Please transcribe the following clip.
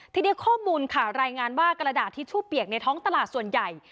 ทีนี้ข้อมูลค่ะรายงานว่ากระดาษทิชชู่เปียกในท้องตลาดส่วนใหญ่